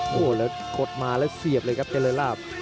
โอ้โหแล้วกดมาแล้วเสียบเลยครับเจริญลาบ